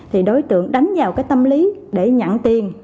thì đối tượng đánh vào cái tâm lý để nhận tiền